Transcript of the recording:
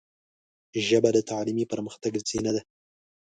ژبه د تعلیمي پرمختګ زینه ده